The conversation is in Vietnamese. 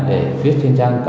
để viết trên trang đất đai